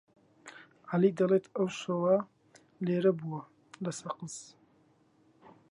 عەلی دەڵێت ئەو شەوە لێرە بووە لە سەقز.